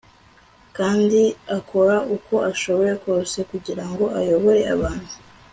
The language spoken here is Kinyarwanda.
kandi akora uko ashoboye kose kugira ngo ayobore abantu